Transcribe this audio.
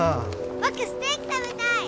僕ステーキ食べたい。